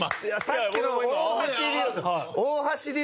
さっきの大橋流。